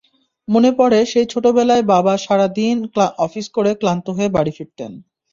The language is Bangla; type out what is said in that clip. মনে পড়ে, সেই ছোটবেলায় বাবা সারা দিন অফিস করে ক্লান্ত হয়ে বাড়ি ফিরতেন।